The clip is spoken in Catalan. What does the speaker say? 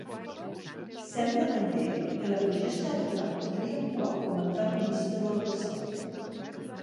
Sembla també que la progesterona podria actuar com a antagonista del receptor.